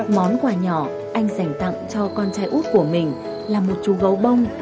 một món quà nhỏ anh dành tặng cho con trai út của mình là một chú gấu bông